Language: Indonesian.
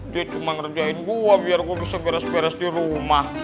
dia cuma ngerjain gue biar gue bisa beres beres di rumah